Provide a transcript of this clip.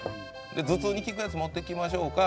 「頭痛に効くやつ持ってきましょうか？」